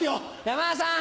山田さん。